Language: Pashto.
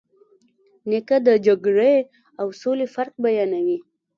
نیکه د جګړې او سولې فرق بیانوي.